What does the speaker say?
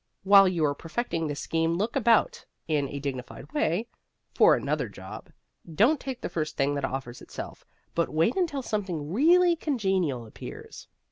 While you are perfecting this scheme look about, in a dignified way, for another job. Don't take the first thing that offers itself, but wait until something really congenial appears.